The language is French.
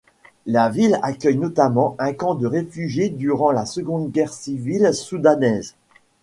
La ville accueille notamment un camp de réfugié durant la Seconde Guerre civile soudanaise.